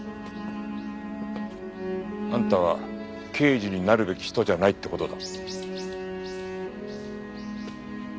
あんたは刑事になるべき人じゃないって事だ。